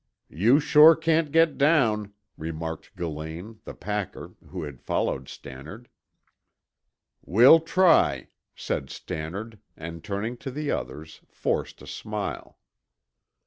"You sure can't get down," remarked Gillane, the packer, who had followed Stannard. "We'll try," said Stannard, and turning to the others, forced a smile.